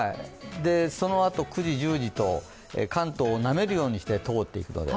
そのあと、９時、１０時と関東をなめるようにして通っていくので。